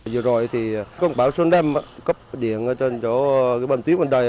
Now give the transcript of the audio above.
dù rồi thì bão số năm cấp điện trên chỗ bầm tuyết bên đây